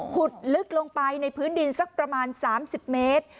ขุดลึกลงไปในพื้นดินสักประมาณ๓๐เมตร